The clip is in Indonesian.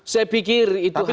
saya pikir itu hanya